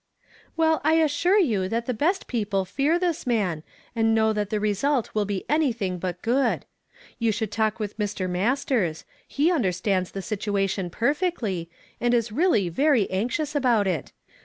"Well, I assure you that the best j)eople fear this man, and know that the result will be any thing but good. You should talk with Mr. Alas tei s; lie nndei stands the situation perfectly, and is really very anxious about it.